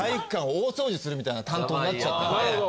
するみたいな担当になっちゃったんで。